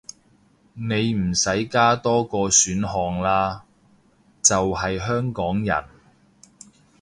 你唔使加多個選項喇，就係香港人